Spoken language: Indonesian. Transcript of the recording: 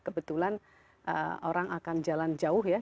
kebetulan orang akan jalan jauh ya